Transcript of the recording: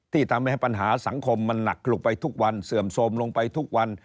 ทำให้ปัญหาสังคมมันหนักหลุกไปทุกวันเสื่อมโทรมลงไปทุกวัน